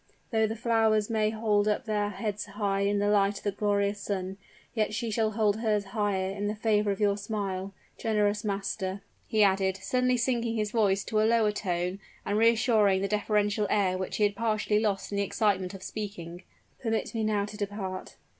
Though the flowers may hold up their heads high in the light of the glorious sun, yet she shall hold hers higher in the favor of your smile. Generous master," he added, suddenly sinking his voice to a lower tone and reassuming the deferential air which he had partially lost in the excitement of speaking, "permit me now to depart."